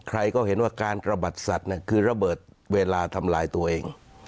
ใครก็เห็นว่าการกระบัดสัตว์คือระเบิดเวลาทำลายตัวเอง